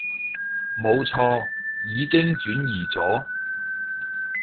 冇錯，已經轉移咗